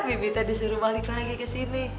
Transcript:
bibik teh disuruh balik lagi kesini